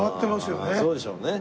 そうでしょうね。